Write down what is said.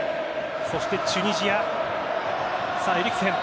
そしてチュニジア